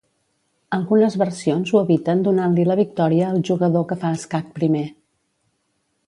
Algunes versions ho eviten donant-li la victòria al jugador que fa escac primer.